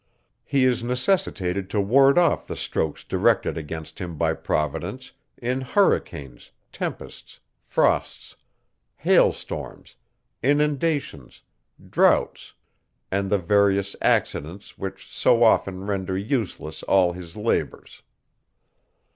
He is necessitated to ward off the strokes directed against him by Providence, in hurricanes, tempests, frosts, hail storms, inundations, droughts, and the various accidents, which so often render useless all his labours.